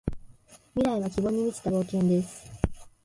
未来は希望に満ちた冒険です。